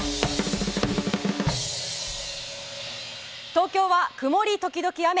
東京は曇り時々雨。